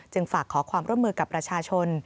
ฝากขอความร่วมมือกับประชาชน